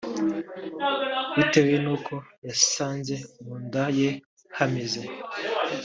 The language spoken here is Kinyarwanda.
bitewe n’uko yasanze mu nda ye hameze